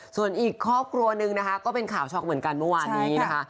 ส่วนอีกครอบครัวหนึ่งนะคะก็เป็นข่าวช็อกเหมือนกันเมื่อวานนี้นะคะ